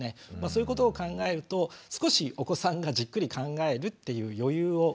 そういうことを考えると少しお子さんがじっくり考えるっていう余裕をですね